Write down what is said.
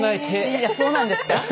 いやそうなんですか！